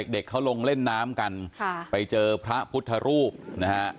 เด็กเขาลงเล่นน้ำกันไปเจอพระพุทธรูปนะฮะ